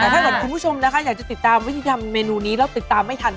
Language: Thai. แต่ถ้าเกิดคุณผู้ชมนะคะอยากจะติดตามวิธีทำเมนูนี้แล้วติดตามไม่ทัน